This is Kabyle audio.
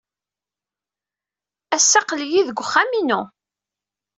Ass-a aql-iyi deg uxxam-inu.